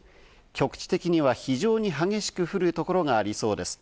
局地的には非常に激しく降る所がありそうです。